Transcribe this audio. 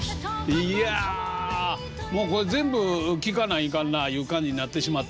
いやこれ全部聴かないかんないう感じになってしまってね